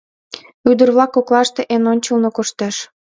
Ӱдыр-влак коклаште эн ончылно коштеш.